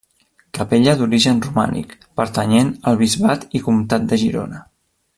Capella d'origen romànic pertanyent al bisbat i comtat de Girona.